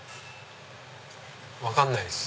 分かんないっす。